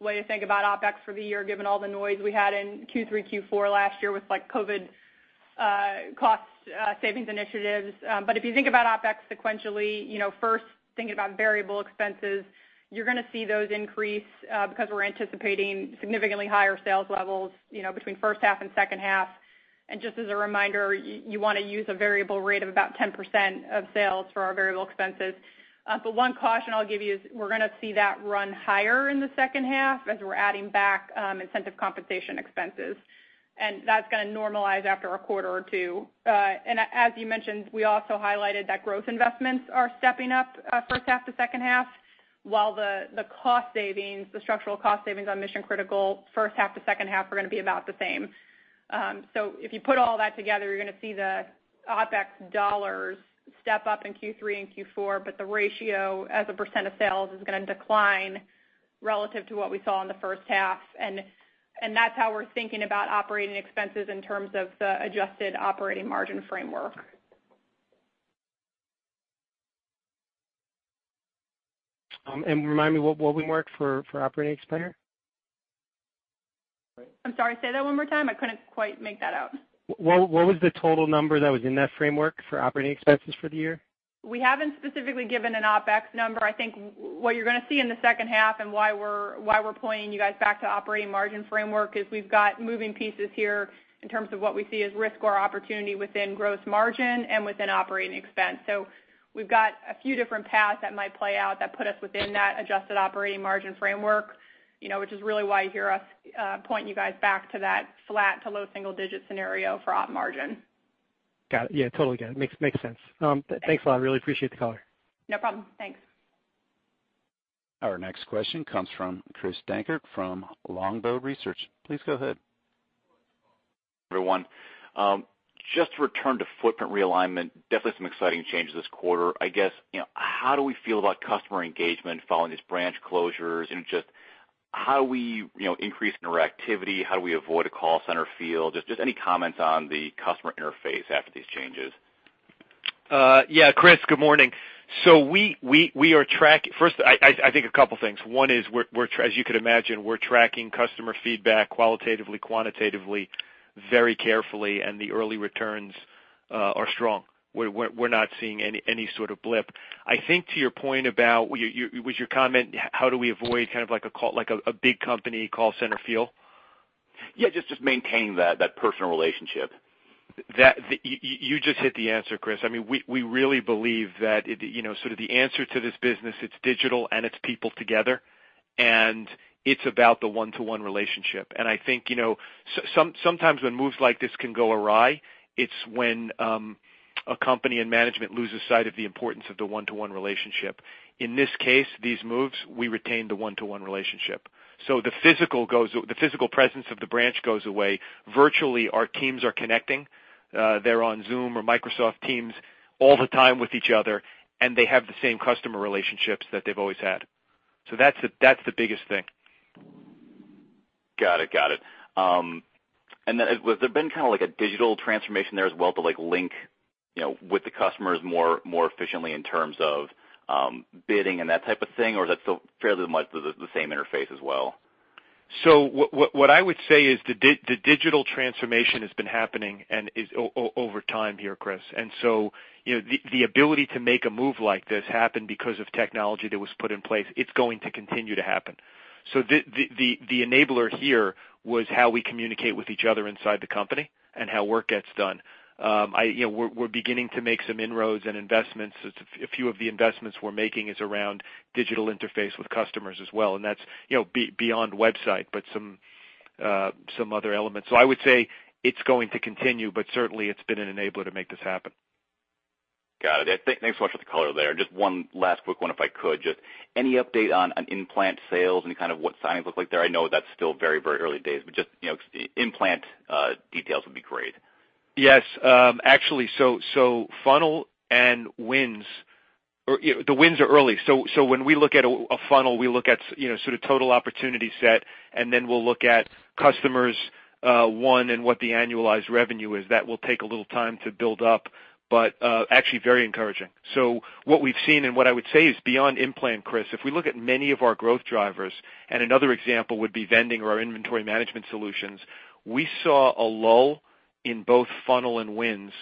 way to think about OpEx for the year, given all the noise we had in Q3, Q4 last year with COVID cost savings initiatives. If you think about OpEx sequentially, first thinking about variable expenses, you're going to see those increase because we're anticipating significantly higher sales levels between first half and second half. Just as a reminder, you want to use a variable rate of about 10% of sales for our variable expenses. One caution I'll give you is we're going to see that run higher in the second half as we're adding back incentive compensation expenses. That's going to normalize after a quarter or two. As you mentioned, we also highlighted that growth investments are stepping up first half to second half, while the structural cost savings on mission-critical first half to second half are going to be about the same. If you put all that together, you're going to see the OpEx dollars step up in Q3 and Q4, but the ratio as a percent of sales is going to decline relative to what we saw in the first half. That's how we're thinking about operating expenses in terms of the adjusted operating margin framework. Remind me, what we marked for operating expense? I'm sorry, say that one more time. I couldn't quite make that out. What was the total number that was in that framework for operating expenses for the year? We haven't specifically given an OpEx number. I think what you're going to see in the second half and why we're pointing you guys back to operating margin framework is we've got moving pieces here in terms of what we see as risk or opportunity within gross margin and within operating expense. We've got a few different paths that might play out that put us within that adjusted operating margin framework, which is really why you hear us point you guys back to that flat to low single-digit scenario for Op margin. Got it. Yeah, totally get it. Makes sense. Thanks a lot. Really appreciate the color. No problem. Thanks. Our next question comes from Chris Dankert from Longbow Research. Please go ahead. Everyone, just to return to footprint realignment, definitely some exciting changes this quarter. I guess, how do we feel about customer engagement following these branch closures? And just how do we increase interactivity? How do we avoid a call center feel? Just any comments on the customer interface after these changes? Yeah, Chris, good morning. First, I think a couple of things. One is, as you could imagine, we're tracking customer feedback qualitatively, quantitatively, very carefully, and the early returns are strong. We're not seeing any sort of blip. I think to your point about, was your comment, how do we avoid kind of like a big company call center feel? Yeah, just maintain that personal relationship. You just hit the answer, Chris. We really believe that sort of the answer to this business, it's digital and it's people together, and it's about the one-to-one relationship. I think, sometimes when moves like this can go awry, it's when a company and management loses sight of the importance of the one-to-one relationship. In this case, these moves, we retain the one-to-one relationship. The physical presence of the branch goes away. Virtually, our teams are connecting. They're on Zoom or Microsoft Teams all the time with each other, and they have the same customer relationships that they've always had. That's the biggest thing. Got it. Has there been kind of like a digital transformation there as well to link with the customers more efficiently in terms of bidding and that type of thing, or is that still fairly much the same interface as well? What I would say is the digital transformation has been happening and is over time here, Chris. The ability to make a move like this happen because of technology that was put in place, it's going to continue to happen. The enabler here was how we communicate with each other inside the company and how work gets done. We're beginning to make some inroads and investments. A few of the investments we're making is around digital interface with customers as well, and that's beyond website, but some other elements. I would say it's going to continue, but certainly it's been an enabler to make this happen. Got it. Thanks so much for the color there. Just one last quick one if I could. Just any update on in-plant sales and kind of what signs look like there? I know that's still very early days, but just in-plant details would be great. Yes. Actually, funnel and wins, the wins are early. When we look at a funnel, we look at sort of total opportunity set, and then we'll look at customers won and what the annualized revenue is. That will take a little time to build up, but actually very encouraging. What we've seen and what I would say is beyond in-plant, Chris, if we look at many of our growth drivers, and another example would be vending or our inventory management solutions. We saw a lull in both funnel and wins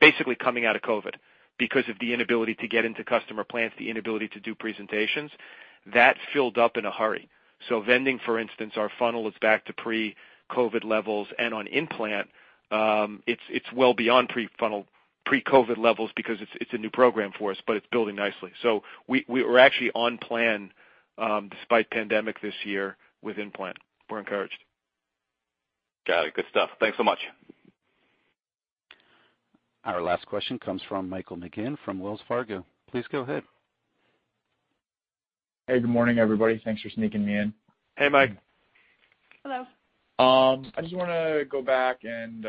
basically coming out of COVID because of the inability to get into customer plants, the inability to do presentations. That's filled up in a hurry. Vending, for instance, our funnel is back to pre-COVID levels, and on in-plant, it's well beyond pre-COVID levels because it's a new program for us, but it's building nicely. We're actually on plan, despite pandemic this year with in-plant. We're encouraged. Got it. Good stuff. Thanks so much. Our last question comes from Michael McGinn from Wells Fargo. Please go ahead. Hey, good morning, everybody. Thanks for sneaking me in. Hey, Mike. Hello. I just want to go back and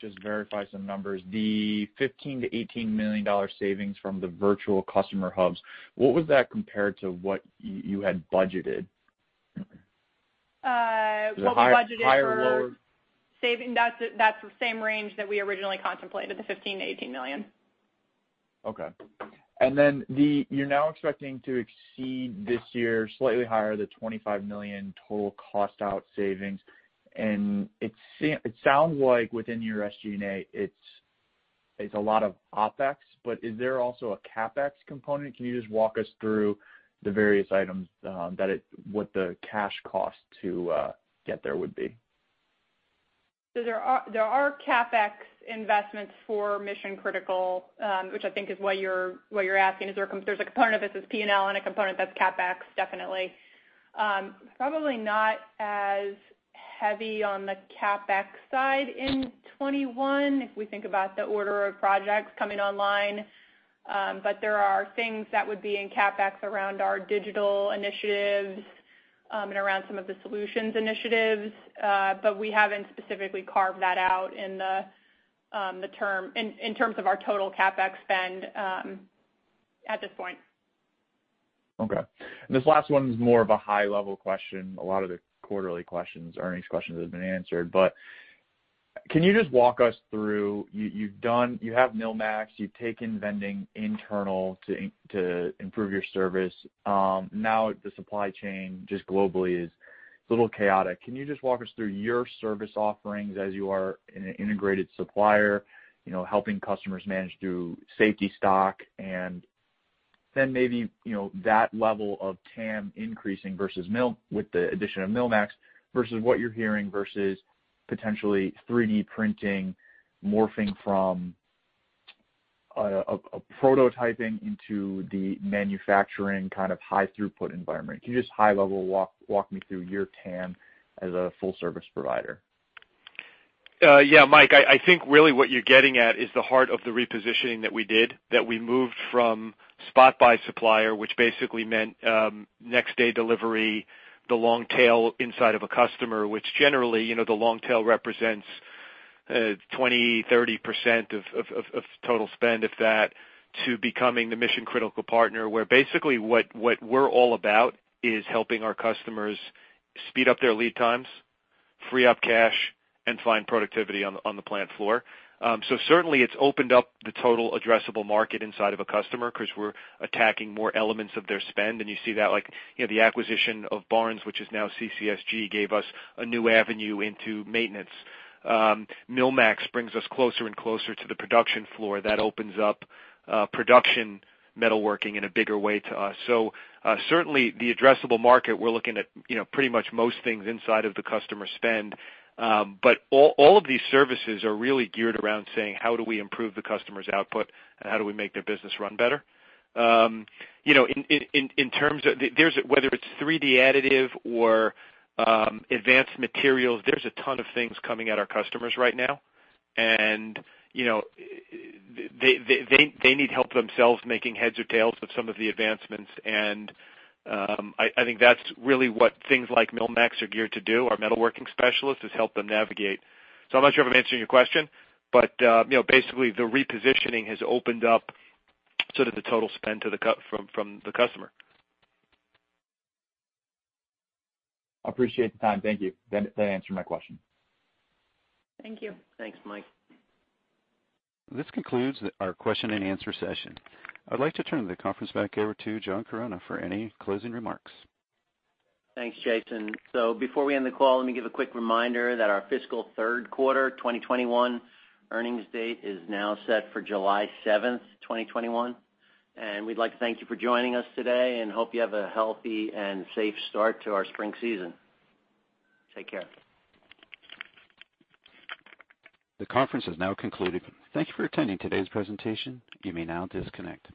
just verify some numbers. The $15 million-$18 million savings from the virtual customer hubs, what was that compared to what you had budgeted? What we budgeted for. Higher or lower? That's the same range that we originally contemplated, the $15 million-$18 million. Okay. You're now expecting to exceed this year slightly higher the $25 million total cost out savings, and it sounds like within your SG&A, it's a lot of OpEx, but is there also a CapEx component? Can you just walk us through the various items, what the cash cost to get there would be? There are CapEx investments for Mission Critical, which I think is what you're asking. There's a component of this that's P&L and a component that's CapEx, definitely. Probably not as heavy on the CapEx side in 2021, if we think about the order of projects coming online. There are things that would be in CapEx around our digital initiatives and around some of the solutions initiatives. We haven't specifically carved that out in terms of our total CapEx spend at this point. Okay. This last one is more of a high-level question. A lot of the quarterly questions, earnings questions have been answered. Can you just walk us through, you have MSC MillMax, you've taken vending internal to improve your service. The supply chain just globally is a little chaotic. Can you just walk us through your service offerings as you are an integrated supplier helping customers manage through safety stock and then maybe that level of TAM increasing with the addition of MSC MillMax versus what you're hearing versus potentially 3D printing morphing from a prototyping into the manufacturing kind of high throughput environment. Can you just high level walk me through your TAM as a full service provider? Yeah, Mike, I think really what you're getting at is the heart of the repositioning that we did, that we moved from spot buy supplier, which basically meant next day delivery, the long tail inside of a customer, which generally, the long tail represents 20, 30% of total spend, if that, to becoming the mission-critical partner, where basically what we're all about is helping our customers speed up their lead times, free up cash and find productivity on the plant floor. Certainly it's opened up the total addressable market inside of a customer because we're attacking more elements of their spend, and you see that like the acquisition of Barnes, which is now CCSG, gave us a new avenue into maintenance. MillMax brings us closer and closer to the production floor. That opens up production metalworking in a bigger way to us. Certainly the addressable market, we're looking at pretty much most things inside of the customer spend. All of these services are really geared around saying, how do we improve the customer's output and how do we make their business run better? Whether it's 3D additive or advanced materials, there's a ton of things coming at our customers right now, and they need help themselves making heads or tails of some of the advancements, and I think that's really what things like MSC MillMax are geared to do, our metalworking specialist, is help them navigate. I'm not sure if I'm answering your question, but basically the repositioning has opened up sort of the total spend from the customer. Appreciate the time. Thank you. That answered my question. Thank you. Thanks, Mike. This concludes our question and answer session. I'd like to turn the conference back over to John Chironna for any closing remarks. Thanks, Jason. Before we end the call, let me give a quick reminder that our fiscal third quarter 2021 earnings date is now set for July 7th, 2021. We'd like to thank you for joining us today and hope you have a healthy and safe start to our spring season. Take care. The conference is now concluded. Thank you for attending today's presentation. You may now disconnect.